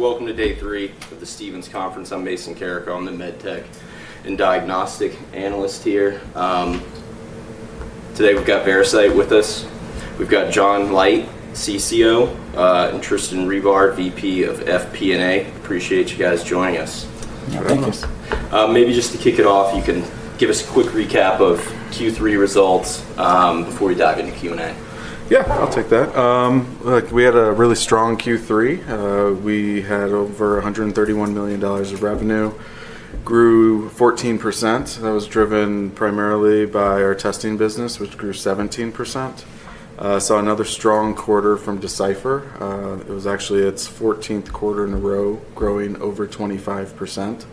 Welcome to day three of the Stephens Conference. I'm Mason Carrico. I'm the medtech and diagnostic analyst here. Today we've got Veracyte with us. We've got John Leite, CCO, and Tristan Rebar, VP of FP&A. Appreciate you guys joining us. Thank you. Maybe just to kick it off, you can give us a quick recap of Q3 results before we dive into Q&A. Yeah, I'll take that. We had a really strong Q3. We had over $131 million of revenue, grew 14%. That was driven primarily by our testing business, which grew 17%. Saw another strong quarter from Decipher. It was actually its 14th quarter in a row, growing over 25%.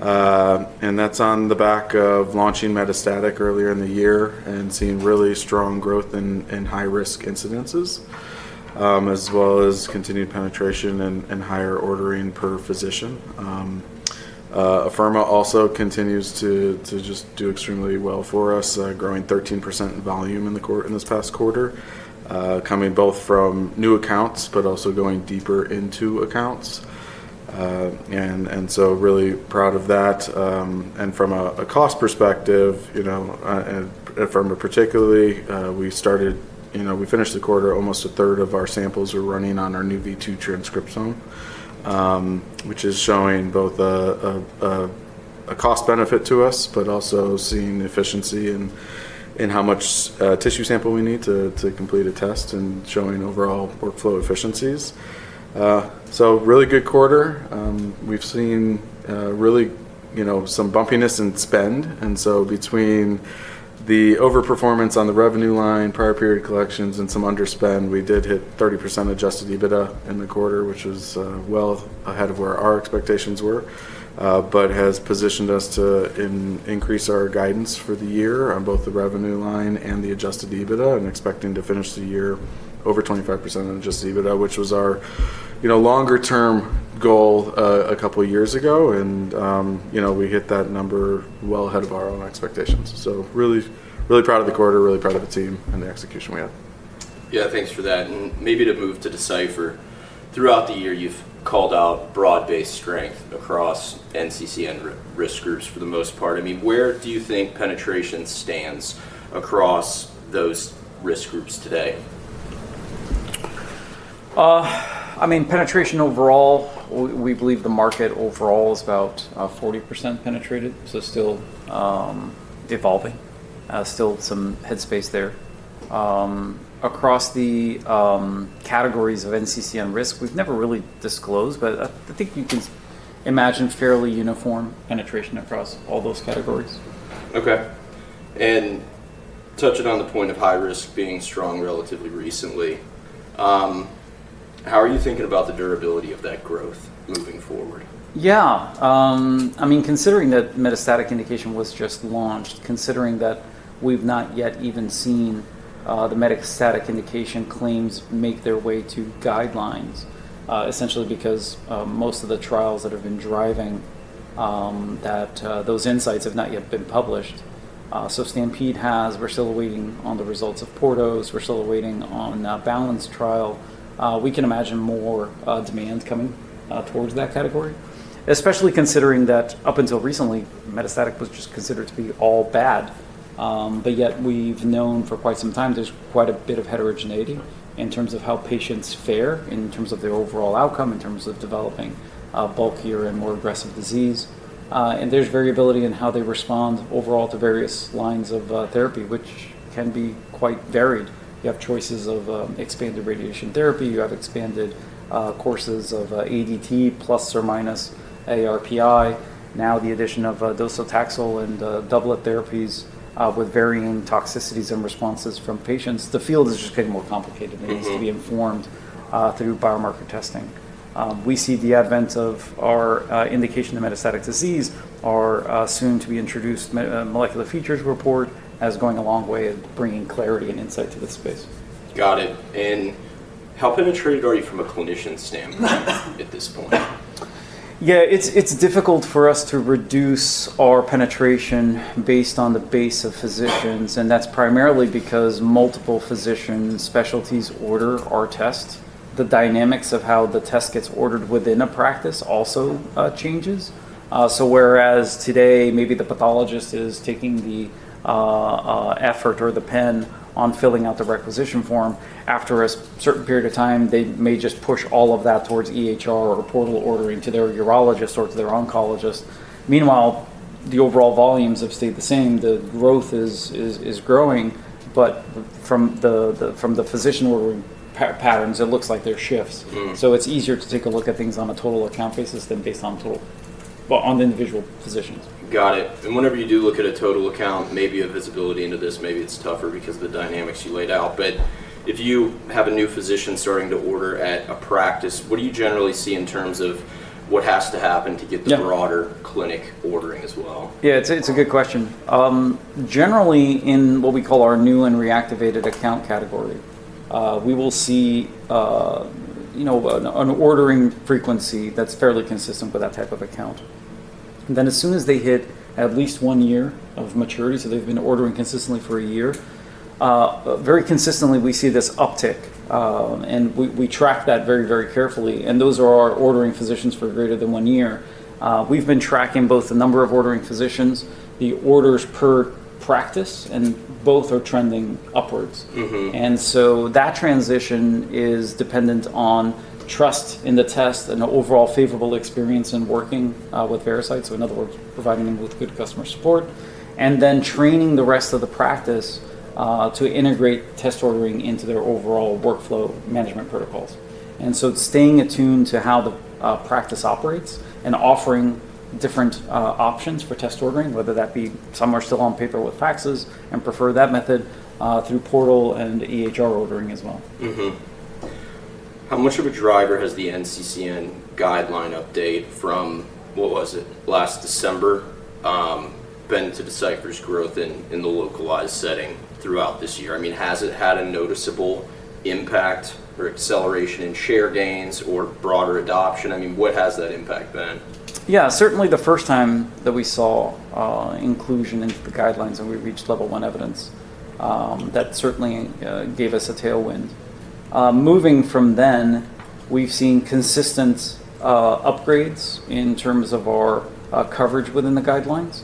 That is on the back of launching metastatic earlier in the year and seeing really strong growth in high-risk incidences, as well as continued penetration and higher ordering per physician. Afirma also continues to just do extremely well for us, growing 13% in volume in this past quarter, coming both from new accounts but also going deeper into accounts. Really proud of that. From a cost perspective, particularly, we finished the quarter, almost a third of our samples were running on our new V2 transcriptome, which is showing both a cost benefit to us but also seeing efficiency in how much tissue sample we need to complete a test and showing overall workflow efficiencies. Really good quarter. We've seen really some bumpiness in spend. Between the overperformance on the revenue line, prior period collections, and some under-spend, we did hit 30% adjusted EBITDA in the quarter, which was well ahead of where our expectations were, but has positioned us to increase our guidance for the year on both the revenue line and the adjusted EBITDA and expecting to finish the year over 25% on adjusted EBITDA, which was our longer-term goal a couple of years ago. We hit that number well ahead of our own expectations. Really proud of the quarter, really proud of the team and the execution we had. Yeah, thanks for that. Maybe to move to Decipher, throughout the year, you've called out broad-based strength across NCCN risk groups for the most part. I mean, where do you think penetration stands across those risk groups today? I mean, penetration overall, we believe the market overall is about 40% penetrated, so still evolving, still some headspace there. Across the categories of NCCN risk, we've never really disclosed, but I think you can imagine fairly uniform penetration across all those categories. Okay. Touching on the point of high risk being strong relatively recently, how are you thinking about the durability of that growth moving forward? Yeah. I mean, considering that metastatic indication was just launched, considering that we've not yet even seen the metastatic indication claims make their way to guidelines, essentially because most of the trials that have been driving those insights have not yet been published. STAMPEDE has. We're still waiting on the results of PORTOS. We're still waiting on the BALANCE trial. We can imagine more demand coming towards that category, especially considering that up until recently, metastatic was just considered to be all bad. Yet we've known for quite some time there's quite a bit of heterogeneity in terms of how patients fare in terms of their overall outcome, in terms of developing bulkier and more aggressive disease. There's variability in how they respond overall to various lines of therapy, which can be quite varied. You have choices of expanded radiation therapy. You have expanded courses of ADT plus or minus ARPI. Now the addition of docetaxel and doublet therapies with varying toxicities and responses from patients. The field is just getting more complicated, and it needs to be informed through biomarker testing. We see the advent of our indication of metastatic disease, our soon-to-be-introduced molecular features report as going a long way in bringing clarity and insight to this space. Got it. How penetrated are you from a clinician standpoint at this point? Yeah, it's difficult for us to reduce our penetration based on the base of physicians. That's primarily because multiple physician specialties order our tests. The dynamics of how the test gets ordered within a practice also changes. Whereas today, maybe the pathologist is taking the effort or the pen on filling out the requisition form, after a certain period of time, they may just push all of that towards EHR or portal ordering to their urologist or to their oncologist. Meanwhile, the overall volumes have stayed the same. The growth is growing, but from the physician ordering patterns, it looks like there are shifts. It's easier to take a look at things on a total account basis than based on individual physicians. Got it. Whenever you do look at a total account, maybe a visibility into this, maybe it's tougher because of the dynamics you laid out. If you have a new physician starting to order at a practice, what do you generally see in terms of what has to happen to get the broader clinic ordering as well? Yeah, it's a good question. Generally, in what we call our new and reactivated account category, we will see an ordering frequency that's fairly consistent with that type of account. As soon as they hit at least one year of maturity, so they've been ordering consistently for a year, very consistently, we see this uptick. We track that very, very carefully. Those are our ordering physicians for greater than one year. We've been tracking both the number of ordering physicians, the orders per practice, and both are trending upwards. That transition is dependent on trust in the test and overall favorable experience in working with Veracyte. In other words, providing them with good customer support and then training the rest of the practice to integrate test ordering into their overall workflow management protocols. Staying attuned to how the practice operates and offering different options for test ordering, whether that be some are still on paper with faxes and prefer that method through portal and EHR ordering as well. How much of a driver has the NCCN guideline update from, what was it, last December been to Decipher's growth in the localized setting throughout this year? I mean, has it had a noticeable impact or acceleration in share gains or broader adoption? I mean, what has that impact been? Yeah, certainly the first time that we saw inclusion into the guidelines and we reached level one evidence, that certainly gave us a tailwind. Moving from then, we've seen consistent upgrades in terms of our coverage within the guidelines.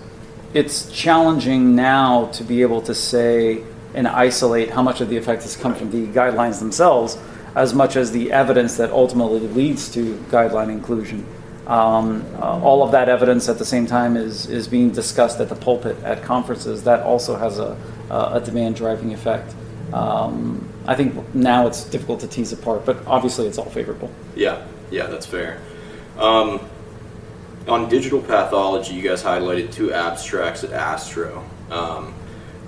It's challenging now to be able to say and isolate how much of the effect has come from the guidelines themselves as much as the evidence that ultimately leads to guideline inclusion. All of that evidence at the same time is being discussed at the pulpit at conferences. That also has a demand-driving effect. I think now it's difficult to tease apart, but obviously it's all favorable. Yeah. Yeah, that's fair. On digital pathology, you guys highlighted two abstracts at ASTRO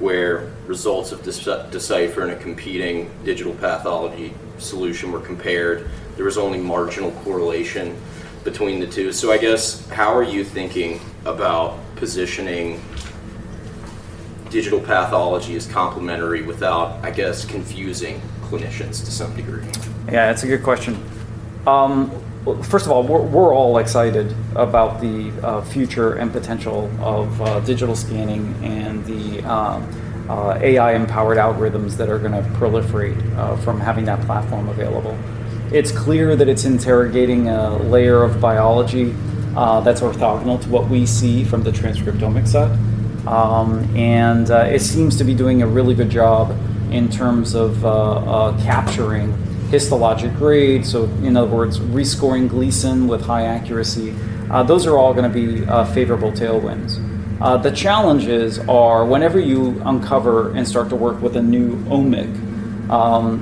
where results of Decipher and a competing digital pathology solution were compared. There was only marginal correlation between the two. I guess, how are you thinking about positioning digital pathology as complementary without, I guess, confusing clinicians to some degree? Yeah, that's a good question. First of all, we're all excited about the future and potential of digital scanning and the AI-empowered algorithms that are going to proliferate from having that platform available. It's clear that it's interrogating a layer of biology that's orthogonal to what we see from the transcriptomic side. It seems to be doing a really good job in terms of capturing histologic grade. In other words, rescoring Gleason with high accuracy. Those are all going to be favorable tailwinds. The challenges are whenever you uncover and start to work with a new omic,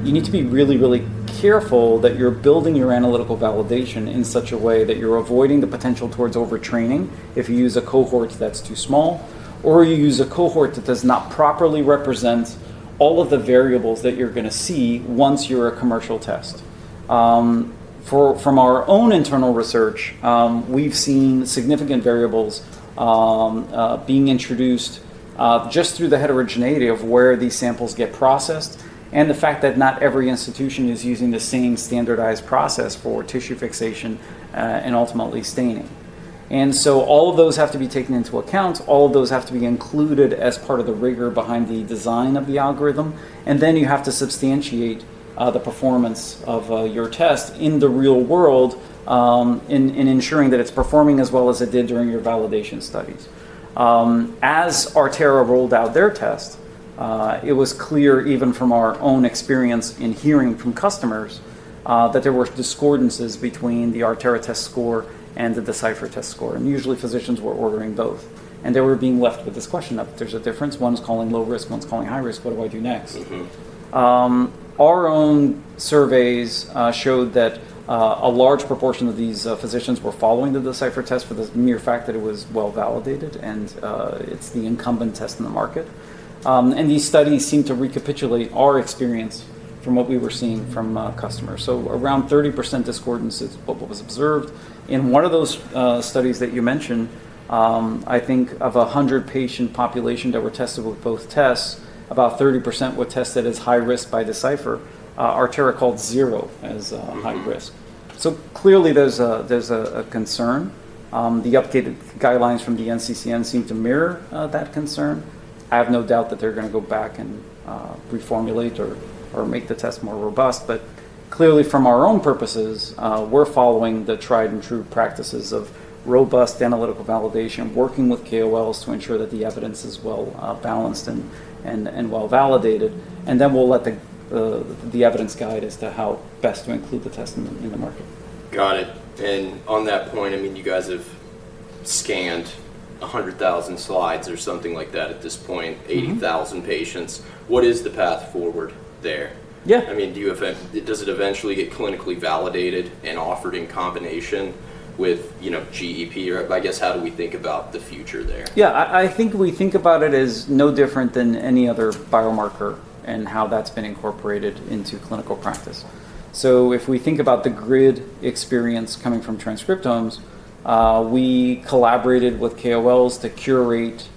you need to be really, really careful that you're building your analytical validation in such a way that you're avoiding the potential towards overtraining if you use a cohort that's too small or you use a cohort that does not properly represent all of the variables that you're going to see once you're a commercial test. From our own internal research, we've seen significant variables being introduced just through the heterogeneity of where these samples get processed and the fact that not every institution is using the same standardized process for tissue fixation and ultimately staining. All of those have to be taken into account. All of those have to be included as part of the rigor behind the design of the algorithm. You have to substantiate the performance of your test in the real world in ensuring that it's performing as well as it did during your validation studies. As Artera rolled out their test, it was clear even from our own experience in hearing from customers that there were discordances between the Artera test score and the Decipher test score. Usually, physicians were ordering both. They were being left with this question of, "There's a difference. One's calling low risk. One's calling high risk. What do I do next?" Our own surveys showed that a large proportion of these physicians were following the Decipher test for the mere fact that it was well validated. It's the incumbent test in the market. These studies seem to recapitulate our experience from what we were seeing from customers. Around 30% discordance is what was observed. In one of those studies that you mentioned, I think of 100 patient population that were tested with both tests, about 30% were tested as high risk by Decipher. Artera called zero as high risk. Clearly, there's a concern. The updated guidelines from the NCCN seem to mirror that concern. I have no doubt that they're going to go back and reformulate or make the test more robust. Clearly, from our own purposes, we're following the tried-and-true practices of robust analytical validation, working with KOLs to ensure that the evidence is well balanced and well validated. We will let the evidence guide as to how best to include the test in the market. Got it. On that point, I mean, you guys have scanned 100,000 slides or something like that at this point, 80,000 patients. What is the path forward there? I mean, does it eventually get clinically validated and offered in combination with GEP? I guess, how do we think about the future there? Yeah, I think we think about it as no different than any other biomarker and how that's been incorporated into clinical practice. If we think about the GRID experience coming from transcriptomes, we collaborated with KOLs to curate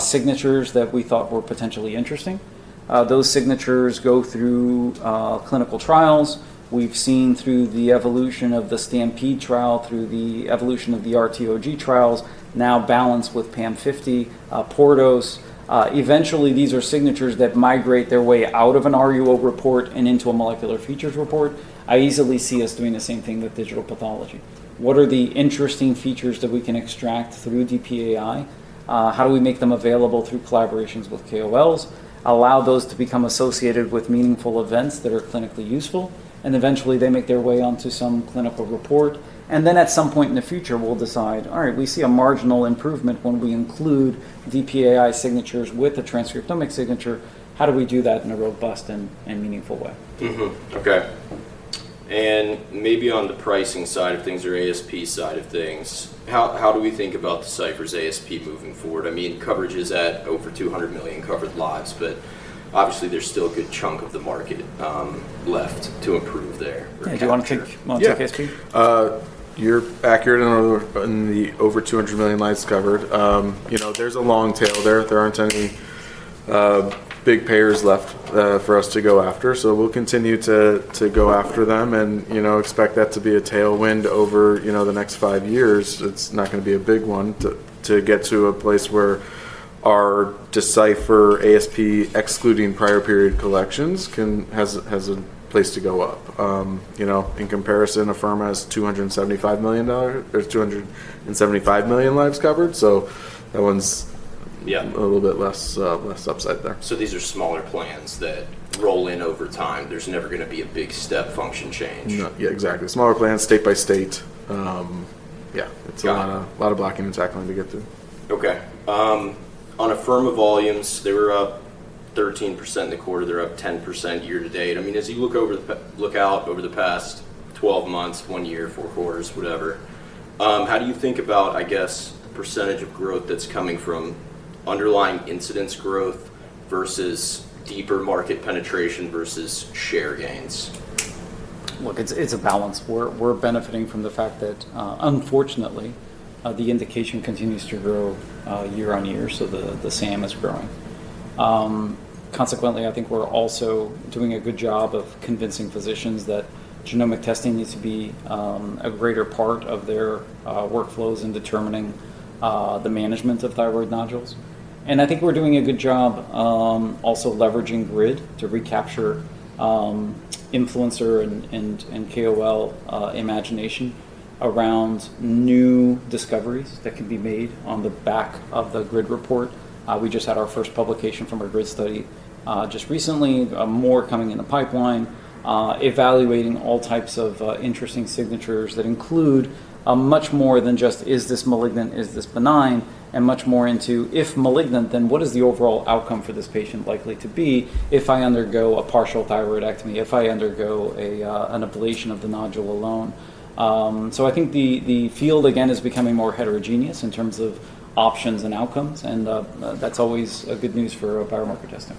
signatures that we thought were potentially interesting. Those signatures go through clinical trials. We've seen through the evolution of the STAMPEDE trial, through the evolution of the RTOG trials, now balanced with PAM50, PORTOS. Eventually, these are signatures that migrate their way out of an RUO report and into a molecular features report. I easily see us doing the same thing with digital pathology. What are the interesting features that we can extract through DPAI? How do we make them available through collaborations with KOLs? Allow those to become associated with meaningful events that are clinically useful. Eventually, they make their way onto some clinical report. At some point in the future, we'll decide, "All right, we see a marginal improvement when we include DPAI signatures with a transcriptomic signature. How do we do that in a robust and meaningful way? Okay. Maybe on the pricing side of things or ASP side of things, how do we think about Decipher's ASP moving forward? I mean, coverage is at over 200 million covered lives, but obviously, there's still a good chunk of the market left to improve there. Yeah. Do you want to take ASP? Yeah. You're accurate in the over 200 million lives covered. There's a long tail there. There aren't any big payers left for us to go after. We'll continue to go after them and expect that to be a tailwind over the next five years. It's not going to be a big one to get to a place where our Decipher ASP, excluding prior period collections, has a place to go up. In comparison, Afirma has 275 million lives covered. That one's a little bit less upside there. These are smaller plans that roll in over time. There's never going to be a big step function change. Yeah, exactly. Smaller plans, state by state. Yeah. It's a lot of blocking and tackling to get through. Okay. On Afirma volumes, they were up 13% in the quarter. They're up 10% year to date. I mean, as you look out over the past 12 months, one year, four quarters, whatever, how do you think about, I guess, the percentage of growth that's coming from underlying incidence growth versus deeper market penetration versus share gains? Look, it's a balance. We're benefiting from the fact that, unfortunately, the indication continues to grow year on year. The SAM is growing. Consequently, I think we're also doing a good job of convincing physicians that genomic testing needs to be a greater part of their workflows in determining the management of thyroid nodules. I think we're doing a good job also leveraging GRID to recapture influencer and KOL imagination around new discoveries that can be made on the back of the GRID report. We just had our first publication from our GRID study just recently, more coming in the pipeline, evaluating all types of interesting signatures that include much more than just, "Is this malignant? Is this benign?" and much more into, "If malignant, then what is the overall outcome for this patient likely to be if I undergo a partial thyroidectomy, if I undergo an ablation of the nodule alone?" I think the field, again, is becoming more heterogeneous in terms of options and outcomes. That is always good news for biomarker testing.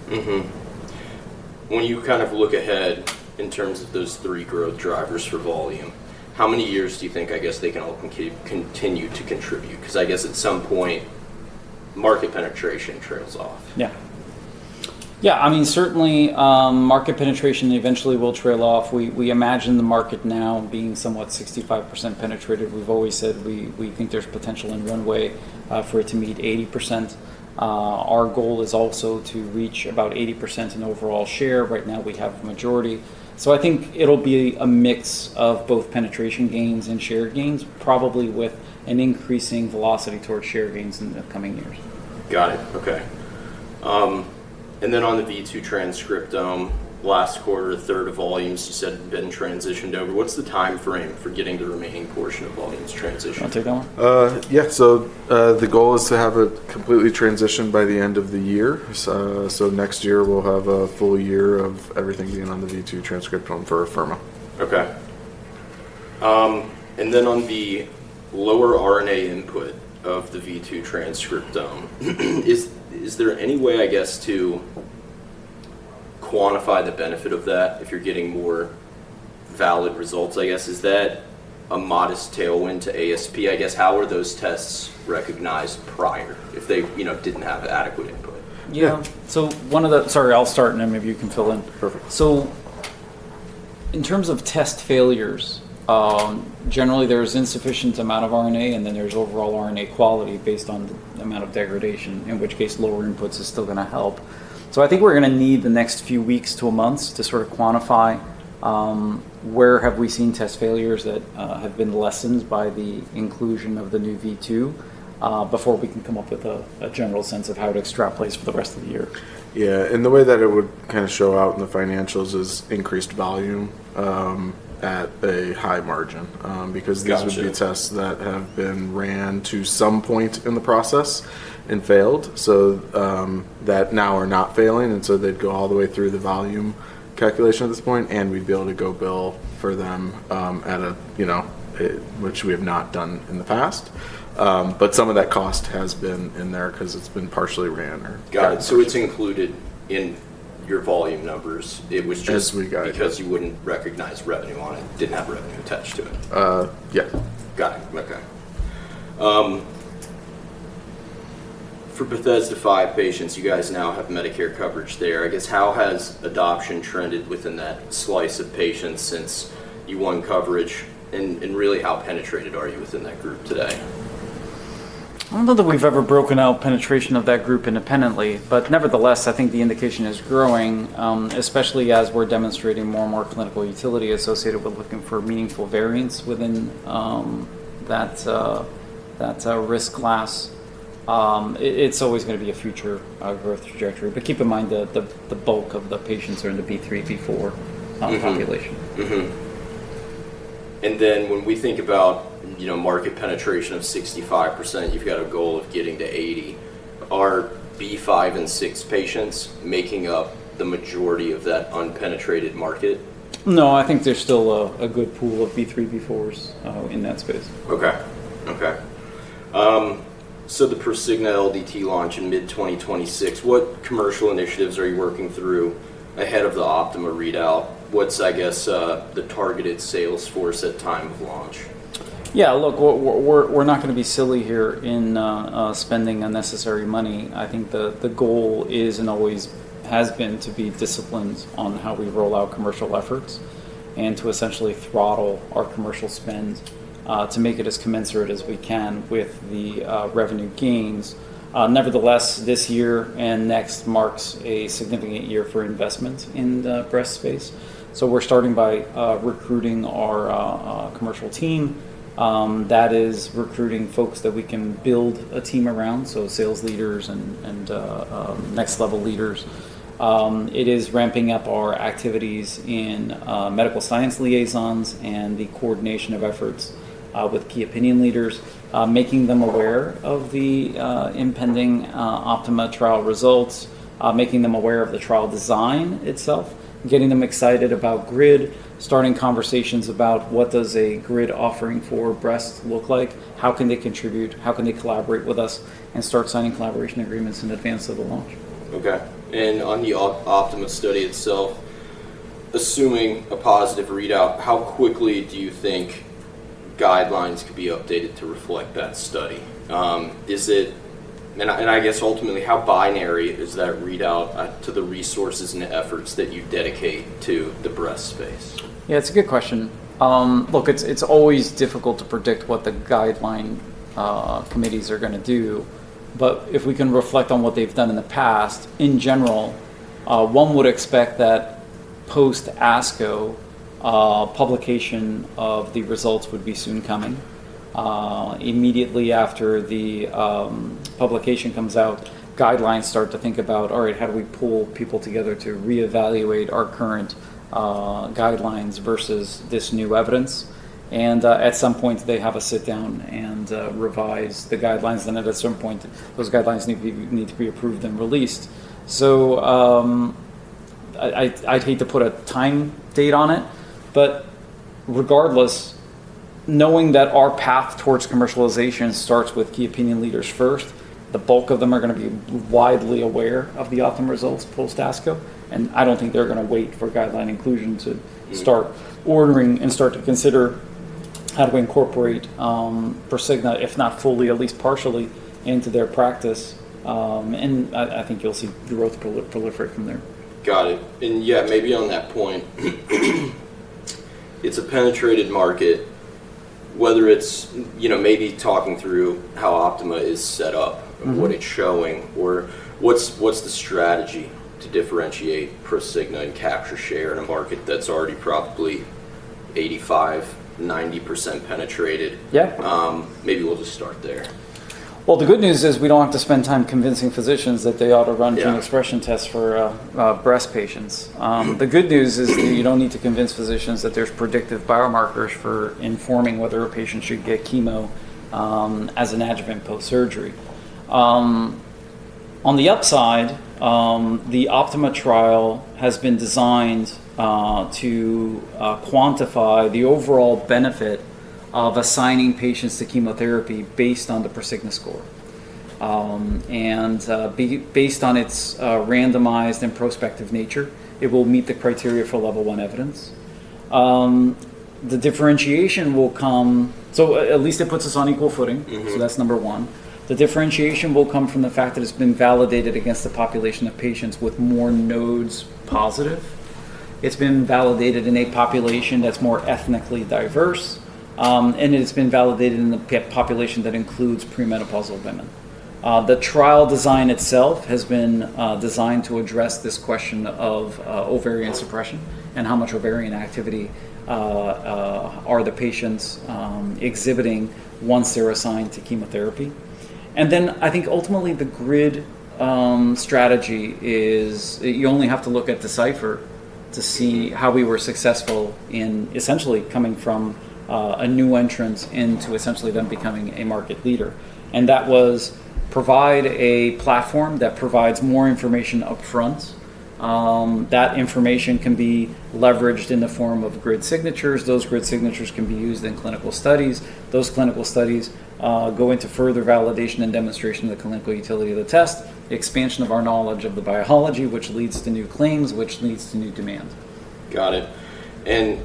When you kind of look ahead in terms of those three growth drivers for volume, how many years do you think, I guess, they can all continue to contribute? Because I guess at some point, market penetration trails off. Yeah. Yeah. I mean, certainly, market penetration eventually will trail off. We imagine the market now being somewhat 65% penetrated. We've always said we think there's potential in one way for it to meet 80%. Our goal is also to reach about 80% in overall share. Right now, we have a majority. I think it'll be a mix of both penetration gains and share gains, probably with an increasing velocity towards share gains in the coming years. Got it. Okay. On the V2 transcriptome, last quarter, a third of volumes, you said, had been transitioned over. What is the time frame for getting the remaining portion of volumes transitioned? Wanna take that one? Yeah. The goal is to have it completely transitioned by the end of the year. Next year, we'll have a full year of everything being on the V2 transcriptome for Afirma. Okay. On the lower RNA input of the V2 transcriptome, is there any way, I guess, to quantify the benefit of that if you're getting more valid results? I guess, is that a modest tailwind to ASP? I guess, how were those tests recognized prior if they didn't have adequate input? Yeah. One of the—sorry, I'll start, and then maybe you can fill in. Perfect. In terms of test failures, generally, there's insufficient amount of RNA, and then there's overall RNA quality based on the amount of degradation, in which case lower inputs are still going to help. I think we're going to need the next few weeks to months to sort of quantify where have we seen test failures that have been lessened by the inclusion of the new V2 before we can come up with a general sense of how to extrapolate for the rest of the year. Yeah. The way that it would kind of show out in the financials is increased volume at a high margin because these would be tests that have been ran to some point in the process and failed. That now are not failing. They'd go all the way through the volume calculation at this point, and we'd be able to go bill for them at a—which we have not done in the past. Some of that cost has been in there because it's been partially ran or. Got it. It is included in your volume numbers. It was just. Yes, we got it. Because you wouldn't recognize revenue on it, didn't have revenue attached to it. Yeah. Got it. Okay. For Bethesda five patients, you guys now have Medicare coverage there. I guess, how has adoption trended within that slice of patients since you won coverage? Really, how penetrated are you within that group today? I don't know that we've ever broken out penetration of that group independently. Nevertheless, I think the indication is growing, especially as we're demonstrating more and more clinical utility associated with looking for meaningful variants within that risk class. It's always going to be a future growth trajectory. Keep in mind the bulk of the patients are in the B3, B4 population. When we think about market penetration of 65%, you've got a goal of getting to 80. Are B5 and 6 patients making up the majority of that unpenetrated market? No, I think there's still a good pool of B3, B4s in that space. Okay. Okay. So the Prosigna LDT launch in mid-2026, what commercial initiatives are you working through ahead of the OPTIMA readout? What's, I guess, the targeted sales force at time of launch? Yeah. Look, we're not going to be silly here in spending unnecessary money. I think the goal is and always has been to be disciplined on how we roll out commercial efforts and to essentially throttle our commercial spend to make it as commensurate as we can with the revenue gains. Nevertheless, this year and next marks a significant year for investment in the breast space. We're starting by recruiting our commercial team. That is recruiting folks that we can build a team around, so sales leaders and next-level leaders. It is ramping up our activities in medical science liaisons and the coordination of efforts with key opinion leaders, making them aware of the impending OPTIMA trial results, making them aware of the trial design itself, getting them excited about GRID, starting conversations about what does a GRID offering for breasts look like, how can they contribute, how can they collaborate with us, and start signing collaboration agreements in advance of the launch. Okay. On the OPTIMA study itself, assuming a positive readout, how quickly do you think guidelines could be updated to reflect that study? I guess, ultimately, how binary is that readout to the resources and efforts that you dedicate to the breast space? Yeah, it's a good question. Look, it's always difficult to predict what the guideline committees are going to do. If we can reflect on what they've done in the past, in general, one would expect that post-ASCO publication of the results would be soon coming. Immediately after the publication comes out, guidelines start to think about, "All right, how do we pull people together to reevaluate our current guidelines versus this new evidence?" At some point, they have a sit-down and revise the guidelines. At a certain point, those guidelines need to be approved and released. I'd hate to put a time date on it. Regardless, knowing that our path towards commercialization starts with key opinion leaders first, the bulk of them are going to be widely aware of the OPTIMA results post-ASCO. I don't think they're going to wait for guideline inclusion to start ordering and start to consider how to incorporate Prosigna, if not fully, at least partially, into their practice. I think you'll see growth proliferate from there. Got it. Yeah, maybe on that point, it's a penetrated market, whether it's maybe talking through how OPTIMA is set up, what it's showing, or what's the strategy to differentiate Prosigna and capture share in a market that's already probably 85%-90% penetrated. Maybe we'll just start there. The good news is we don't have to spend time convincing physicians that they ought to run gene expression tests for breast patients. The good news is you don't need to convince physicians that there's predictive biomarkers for informing whether a patient should get chemo as an adjuvant post-surgery. On the upside, the OPTIMA trial has been designed to quantify the overall benefit of assigning patients to chemotherapy based on the Prosigna score. Based on its randomized and prospective nature, it will meet the criteria for level one evidence. The differentiation will come—at least it puts us on equal footing. That's number one. The differentiation will come from the fact that it's been validated against the population of patients with more nodes positive. It's been validated in a population that's more ethnically diverse. It's been validated in the population that includes premenopausal women. The trial design itself has been designed to address this question of ovarian suppression and how much ovarian activity are the patients exhibiting once they're assigned to chemotherapy. I think ultimately the GRID strategy is you only have to look at Decipher to see how we were successful in essentially coming from a new entrance into essentially them becoming a market leader. That was provide a platform that provides more information upfront. That information can be leveraged in the form of GRID signatures. Those GRID signatures can be used in clinical studies. Those clinical studies go into further validation and demonstration of the clinical utility of the test, expansion of our knowledge of the biology, which leads to new claims, which leads to new demands. Got it.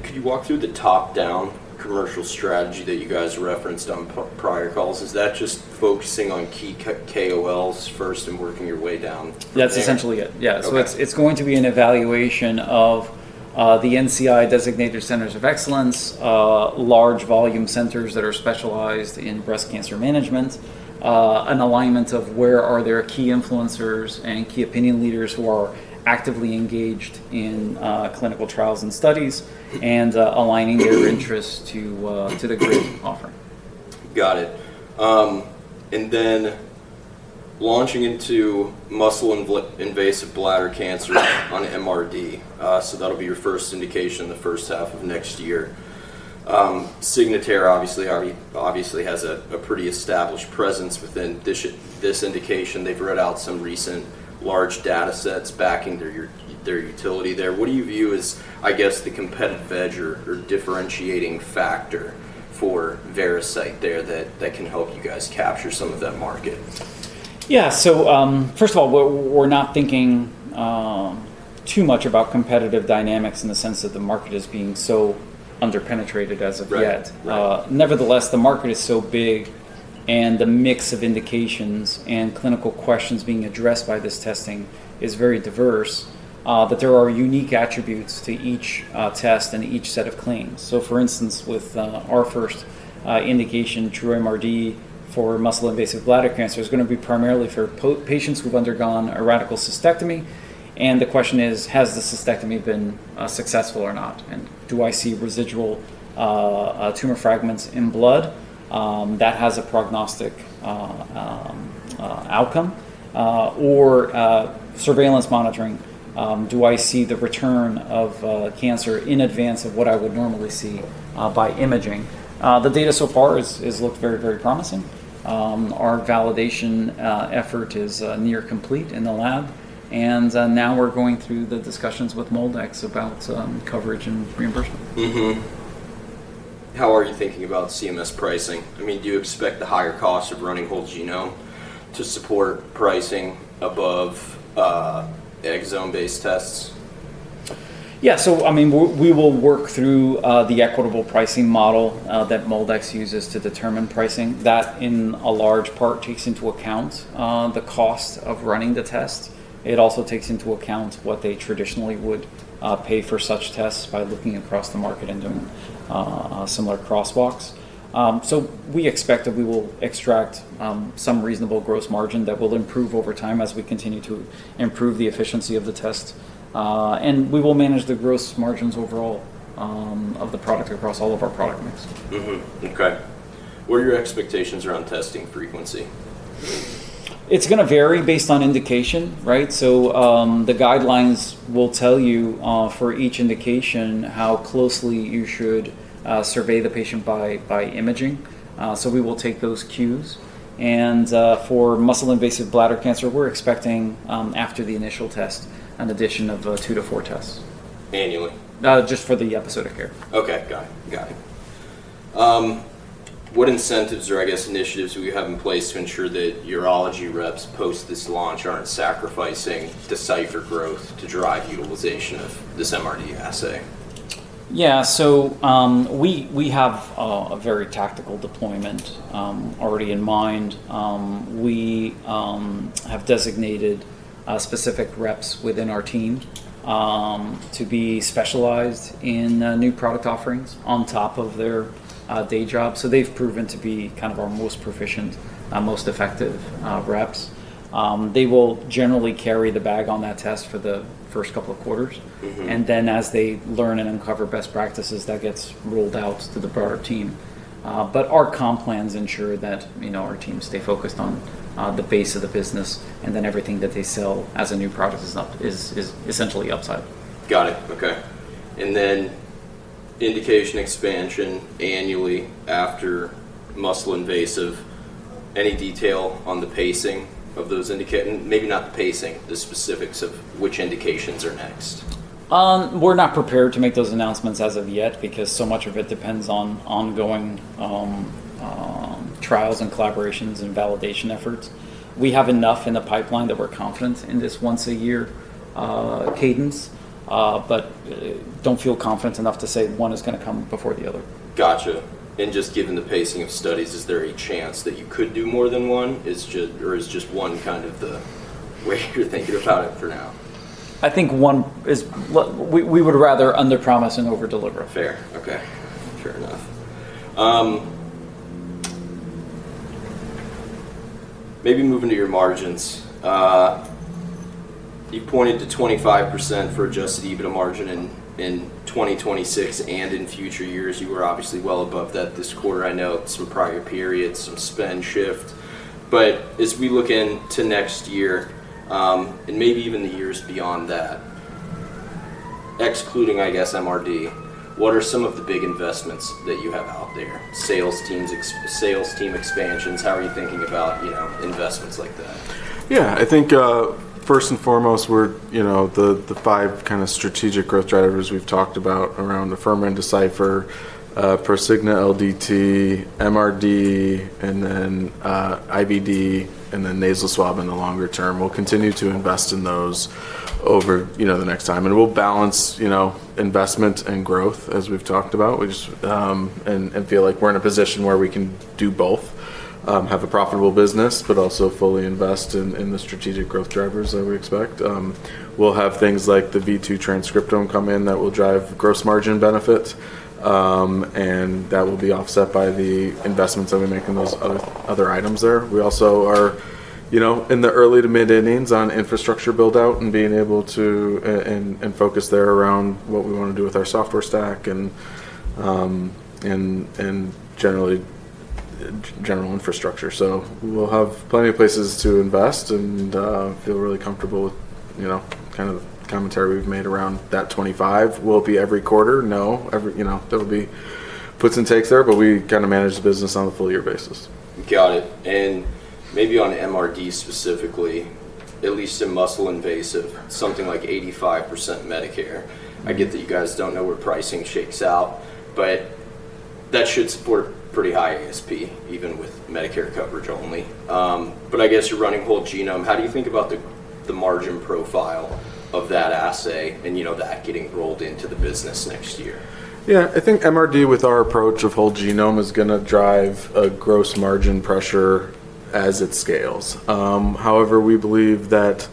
Could you walk through the top-down commercial strategy that you guys referenced on prior calls? Is that just focusing on key KOLs first and working your way down? That's essentially it. Yeah. It's going to be an evaluation of the NCI designated centers of excellence, large volume centers that are specialized in breast cancer management, an alignment of where are there key influencers and key opinion leaders who are actively engaged in clinical trials and studies and aligning their interests to the GRID offering. Got it. Launching into muscle invasive bladder cancer on MRD. That'll be your first indication in the first half of next year. Signatera obviously has a pretty established presence within this indication. They've read out some recent large data sets backing their utility there. What do you view as, I guess, the competitive edge or differentiating factor for Veracyte there that can help you guys capture some of that market? Yeah. First of all, we're not thinking too much about competitive dynamics in the sense that the market is being so underpenetrated as of yet. Nevertheless, the market is so big and the mix of indications and clinical questions being addressed by this testing is very diverse that there are unique attributes to each test and each set of claims. For instance, with our first indication, TruMRD for muscle invasive bladder cancer is going to be primarily for patients who've undergone a radical cystectomy. The question is, has the cystectomy been successful or not? Do I see residual tumor fragments in blood? That has a prognostic outcome. Or surveillance monitoring, do I see the return of cancer in advance of what I would normally see by imaging? The data so far has looked very, very promising. Our validation effort is near complete in the lab. Now we're going through the discussions with MolDX about coverage and reimbursement. How are you thinking about CMS pricing? I mean, do you expect the higher cost of running whole genome to support pricing above exome-based tests? Yeah. I mean, we will work through the equitable pricing model that MolDX uses to determine pricing. That in a large part takes into account the cost of running the test. It also takes into account what they traditionally would pay for such tests by looking across the market and doing a similar crosswalk. We expect that we will extract some reasonable gross margin that will improve over time as we continue to improve the efficiency of the test. We will manage the gross margins overall of the product across all of our product mix. Okay. What are your expectations around testing frequency? It's going to vary based on indication, right? The guidelines will tell you for each indication how closely you should survey the patient by imaging. We will take those cues. For muscle invasive bladder cancer, we're expecting after the initial test, an addition of two to four tests. Annually? Just for the episodic here. Okay. Got it. Got it. What incentives or, I guess, initiatives do you have in place to ensure that urology reps post this launch aren't sacrificing Decipher growth to drive utilization of this MRD assay? Yeah. We have a very tactical deployment already in mind. We have designated specific reps within our team to be specialized in new product offerings on top of their day job. They have proven to be kind of our most proficient, most effective reps. They will generally carry the bag on that test for the first couple of quarters. As they learn and uncover best practices, that gets rolled out to the broader team. Our comp plans ensure that our teams stay focused on the base of the business. Everything that they sell as a new product is essentially upside. Got it. Okay. And then indication expansion annually after muscle invasive. Any detail on the pacing of those indications? Maybe not the pacing, the specifics of which indications are next. We're not prepared to make those announcements as of yet because so much of it depends on ongoing trials and collaborations and validation efforts. We have enough in the pipeline that we're confident in this once-a-year cadence, but don't feel confident enough to say one is going to come before the other. Gotcha. Just given the pacing of studies, is there a chance that you could do more than one? Or is just one kind of the way you're thinking about it for now? I think one is we would rather underpromise and overdeliver. Fair. Okay. Fair enough. Maybe moving to your margins. You pointed to 25% for adjusted EBITDA margin in 2026 and in future years. You were obviously well above that this quarter. I know some prior periods, some spend shift. As we look into next year and maybe even the years beyond that, excluding, I guess, MRD, what are some of the big investments that you have out there? Sales team expansions. How are you thinking about investments like that? Yeah. I think first and foremost, the five kind of strategic growth drivers we've talked about around Afirma and Decipher, Prosigna, LDT, MRD, and then IBD, and then nasal swab in the longer term. We'll continue to invest in those over the next time. We'll balance investment and growth as we've talked about and feel like we're in a position where we can do both, have a profitable business, but also fully invest in the strategic growth drivers that we expect. We'll have things like the V2 transcriptome come in that will drive gross margin benefits. That will be offset by the investments that we make in those other items there. We also are in the early to mid-innings on infrastructure build-out and being able to and focus there around what we want to do with our software stack and generally general infrastructure. We'll have plenty of places to invest and feel really comfortable with kind of the commentary we've made around that 25. Will it be every quarter? No. There will be puts and takes there, but we kind of manage the business on a full-year basis. Got it. Maybe on MRD specifically, at least in muscle invasive, something like 85% Medicare. I get that you guys do not know where pricing shakes out, but that should support pretty high ASP even with Medicare coverage only. I guess you are running whole genome. How do you think about the margin profile of that assay and that getting rolled into the business next year? Yeah. I think MRD with our approach of whole genome is going to drive a gross margin pressure as it scales. However, we believe that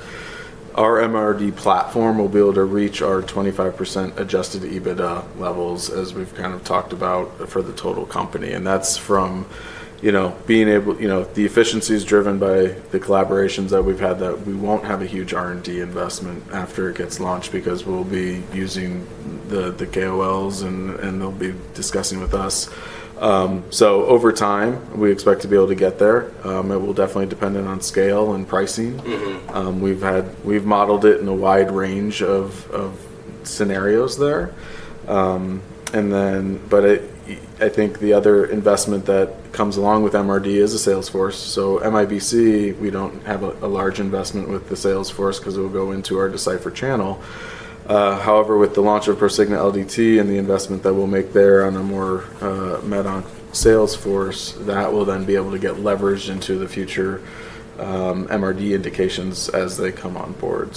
our MRD platform will be able to reach our 25% adjusted EBITDA levels as we've kind of talked about for the total company. That's from being able, the efficiency is driven by the collaborations that we've had, that we won't have a huge R&D investment after it gets launched because we'll be using the KOLs and they'll be discussing with us. Over time, we expect to be able to get there. It will definitely depend on scale and pricing. We've modeled it in a wide range of scenarios there. I think the other investment that comes along with MRD is a Salesforce. MIBC, we don't have a large investment with the Salesforce because it will go into our Decipher channel. However, with the launch of Prosigna LDT and the investment that we'll make there on a more meta on Salesforce, that will then be able to get leveraged into the future MRD indications as they come on board.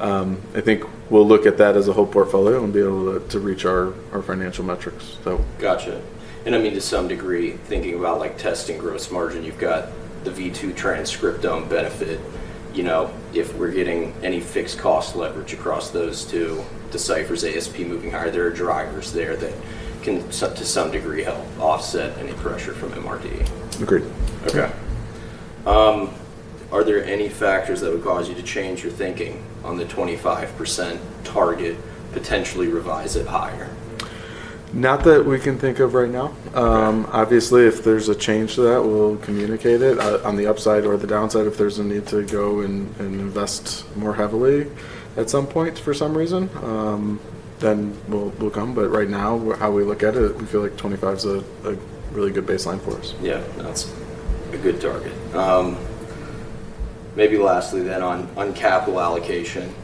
I think we'll look at that as a whole portfolio and be able to reach our financial metrics. Gotcha. I mean, to some degree, thinking about testing gross margin, you've got the V2 Transcriptome benefit. If we're getting any fixed cost leverage across those two, Decipher's ASP moving higher, there are drivers there that can to some degree help offset any pressure from MRD. Agreed. Okay. Are there any factors that would cause you to change your thinking on the 25% target, potentially revise it higher? Not that we can think of right now. Obviously, if there's a change to that, we'll communicate it. On the upside or the downside, if there's a need to go and invest more heavily at some point for some reason, then we'll come. Right now, how we look at it, we feel like 25 is a really good baseline for us. Yeah. That's a good target. Maybe lastly then on capital allocation,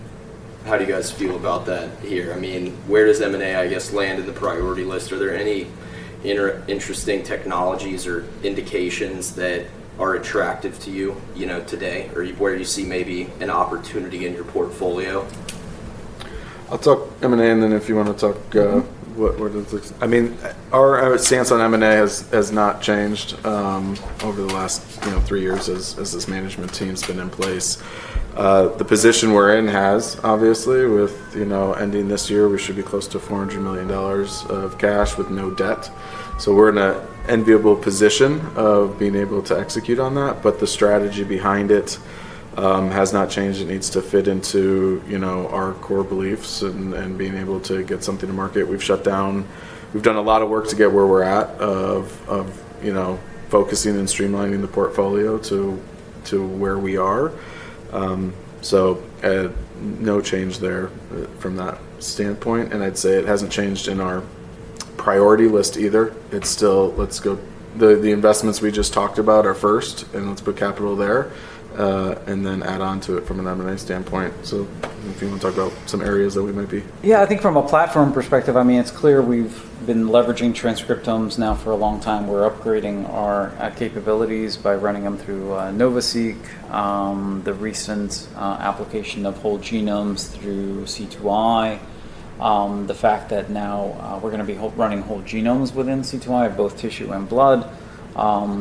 how do you guys feel about that here? I mean, where does M&A, I guess, land in the priority list? Are there any interesting technologies or indications that are attractive to you today or where you see maybe an opportunity in your portfolio? I'll talk M&A and then if you want to talk what does this I mean, our stance on M&A has not changed over the last three years as this management team has been in place. The position we're in has, obviously, with ending this year, we should be close to $400 million of cash with no debt. We are in an enviable position of being able to execute on that. The strategy behind it has not changed. It needs to fit into our core beliefs and being able to get something to market. We've shut down. We've done a lot of work to get where we're at of focusing and streamlining the portfolio to where we are. No change there from that standpoint. I'd say it hasn't changed in our priority list either. It's still, let's go, the investments we just talked about are first, and let's put capital there and then add on to it from an M&A standpoint. If you want to talk about some areas that we might be. Yeah. I think from a platform perspective, I mean, it's clear we've been leveraging transcriptomes now for a long time. We're upgrading our capabilities by running them through NovaSeq, the recent application of whole genomes through C2I, the fact that now we're going to be running whole genomes within C2I of both tissue and blood,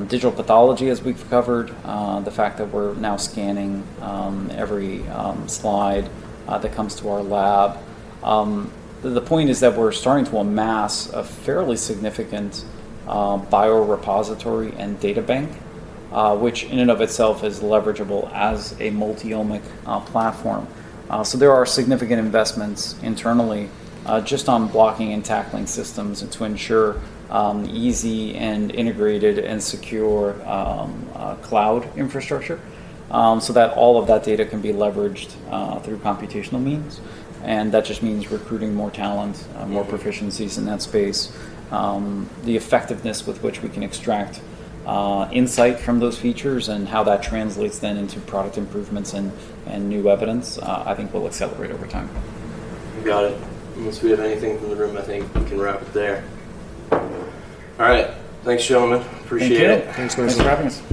digital pathology as we've covered, the fact that we're now scanning every slide that comes to our lab. The point is that we're starting to amass a fairly significant biorepository and data bank, which in and of itself is leverageable as a multi-omic platform. There are significant investments internally just on blocking and tackling systems to ensure easy and integrated and secure cloud infrastructure so that all of that data can be leveraged through computational means. That just means recruiting more talent, more proficiencies in that space. The effectiveness with which we can extract insight from those features and how that translates then into product improvements and new evidence, I think we'll accelerate over time. Got it. Unless we have anything from the room, I think we can wrap it there. All right. Thanks, gentlemen. Appreciate it. Thank you. Thanks for having us.